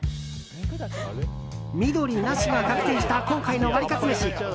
緑なしが確定した今回のワリカツめし。